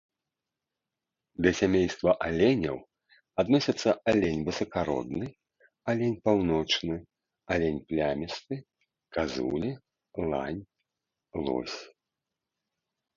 Да сямейства аленяў адносяцца алень высакародны, алень паўночны, алень плямісты, казулі, лань, лось.